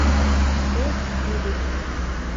Эх, ӱдыр!